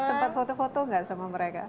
sempat foto foto nggak sama mereka